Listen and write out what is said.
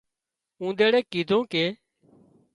اونۮيڙي ڪيڌو ڪي